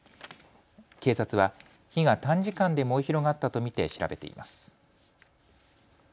警察は火が短時間で燃え広がったと見て調べています。